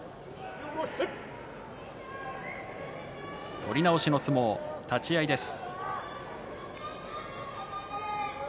取り直しの相撲、立ち合いです。